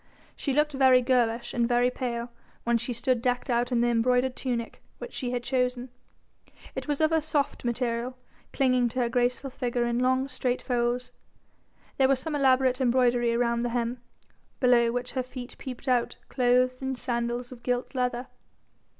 She looked very girlish and very pale when she stood decked out in the embroidered tunic which she had chosen; it was of a soft material, clinging to her graceful figure in long straight folds, there was some elaborate embroidery round the hem, below which her feet peeped out clothed in sandals of gilt leather.